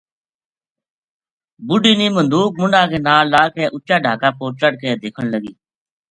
بُڈھی نے مدوک منڈھا کے ناڑ لا کے اُچا ڈھاکا پو چڑھ کے دیکھن لگی